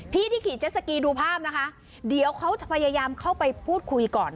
ที่ที่ขี่เจ็ดสกีดูภาพนะคะเดี๋ยวเขาจะพยายามเข้าไปพูดคุยก่อน